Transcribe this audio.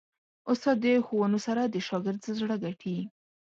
استاد د ښوونو سره د شاګرد زړه ګټي.